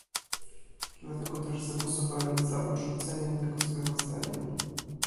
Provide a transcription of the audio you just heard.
Dlatego też zagłosowałem za odrzuceniem tego sprawozdania